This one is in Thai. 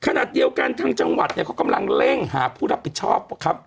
ขณะเดียวกันทางจังหวัดเนี่ยเขากำลังเร่งหาผู้รับผิดชอบครับ